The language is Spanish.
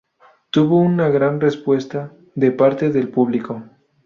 Tuvo una gran respuesta de parte del público.